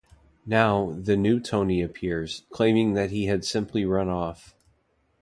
Now, the new Tony appears, claiming that he had simply run off.